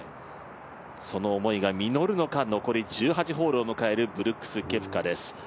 その思いが実るのか、残り１８ホールを迎えるブルックス・ケプカです。